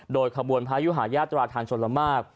โดยขบวนพระยุหาญาตราทางชนละมาก